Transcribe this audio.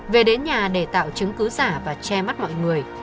về đến nhà để tạo chứng cứ giả và che mắt mọi người